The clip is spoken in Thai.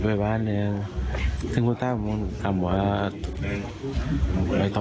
แต่พี่จะยินวงเวลาดูกันก็จะอาจไม่ดี